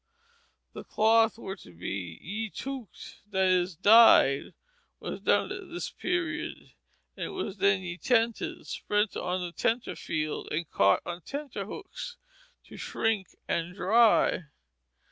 If the cloth were to be "y touked," that is, dyed, it was done at this period, and it was then "y tented," spread on the tenter field and caught on tenter hooks, to shrink and dry.